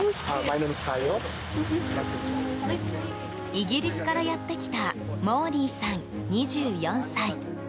イギリスからやってきたモーリーさん、２４歳。